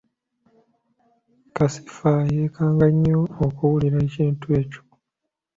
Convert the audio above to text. Kasifa yeekanga nnyo okuwulira ekintu ekyo.